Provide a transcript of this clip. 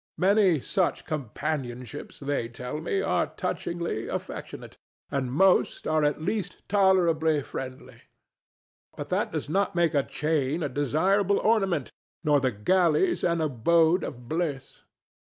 Many such companionships, they tell me, are touchingly affectionate; and most are at least tolerably friendly. But that does not make a chain a desirable ornament nor the galleys an abode of bliss.